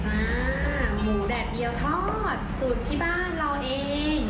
อ่าหมูแดดเดียวทอดสูตรที่บ้านเราเอง